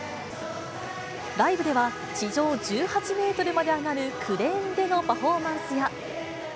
ライブでは地上１８メートルまで上がるクレーンでのパフォーマンスや。